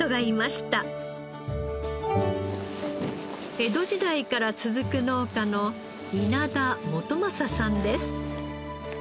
江戸時代から続く農家の稲田元正さんです。